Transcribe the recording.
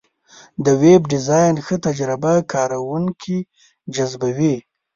د ویب ډیزاین ښه تجربه کارونکي جذبوي.